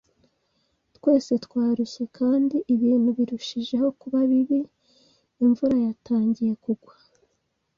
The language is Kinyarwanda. Twese twarushye, kandi ibintu birushijeho kuba bibi, imvura yatangiye kugwa.